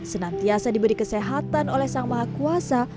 senantiasa diberi kesehatan oleh sang maha kuasa